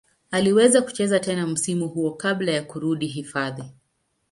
Aliweza kucheza tena msimu huo kabla ya kurudi hifadhi.